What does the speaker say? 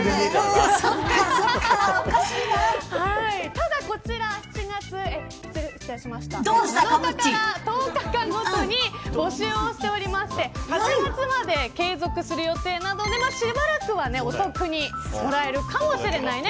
ただこちら１０間ごとに募集をしていて８月まで継続する予定でしばらくはお得にもらえるかもしれないね。